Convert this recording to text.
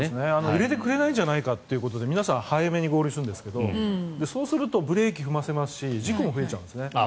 入れてくれないんじゃないかということで皆さん早めに合流するんですけどそうするとブレーキを踏ませるし事故も増えちゃうんですね。